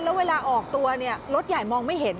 แล้วเวลาออกตัวเนี่ยรถใหญ่มองไม่เห็น